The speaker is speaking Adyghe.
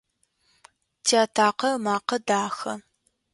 Тиатакъэ ымакъэ дахэ.